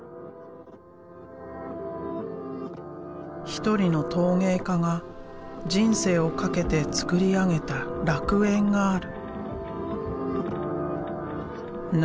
一人の陶芸家が人生をかけて創り上げた楽園がある。